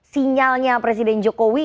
sinyalnya presiden jokowi